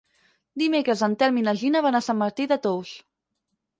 Dimecres en Telm i na Gina van a Sant Martí de Tous.